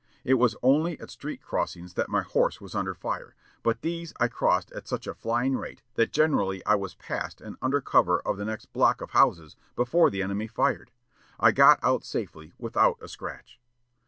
It was only at street crossings that my horse was under fire, but these I crossed at such a flying rate that generally I was past and under cover of the next block of houses before the enemy fired. I got out safely, without a scratch."